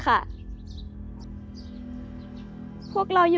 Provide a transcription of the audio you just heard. ออกไปเลย